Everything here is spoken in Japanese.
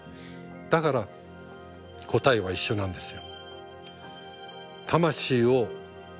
だから答えは一緒なんですよ。